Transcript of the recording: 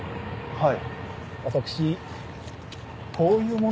はい。